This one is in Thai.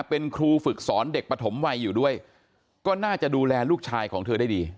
เป็นครูฝึกสอนเด็กปฐมวัยอยู่ด้วยก็น่าจะดูแลลูกชายของเธอได้ดี